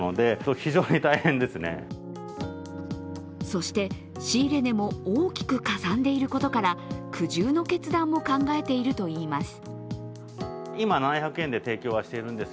そして、仕入れ値も大きくかさんでいることから苦渋の決断も考えているといいます。